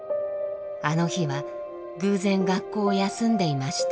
あの日は偶然学校を休んでいました。